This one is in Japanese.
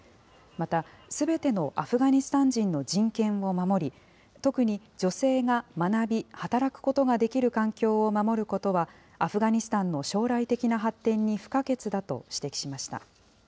また、すべてのアフガニスタン人の人権を守り、特に女性が学び、働くことができる環境を守ることは、アフガニスタンの将来的な発展に不可欠だと指摘しました。